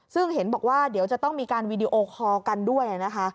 ซึ่งเห็นบอกว่าเดี๋ยวจะต้องมีการวีดีโอคอลกันด้วยนะคะ